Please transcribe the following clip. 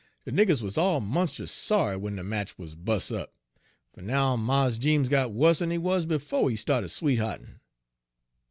"De niggers wuz all monst'us sorry w'en de match wuz bust' up, fer now Mars Jeems got wusser'n he wuz befo' he sta'ted sweethea'tin'.